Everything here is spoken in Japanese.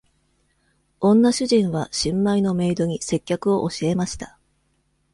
女主人は新米のメイドに接客を教えました。